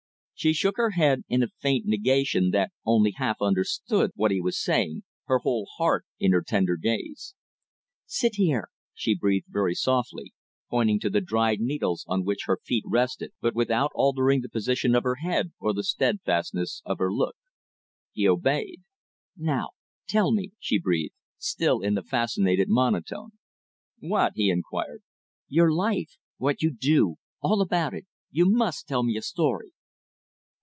She shook her head in a faint negation that only half understood what he was saying, her whole heart in her tender gaze. "Sit there," she breathed very softly, pointing to the dried needles on which her feet rested, but without altering the position of her head or the steadfastness of her look. He obeyed. "Now tell me," she breathed, still in the fascinated monotone. "What?" he inquired. "Your life; what you do; all about it. You must tell me a story."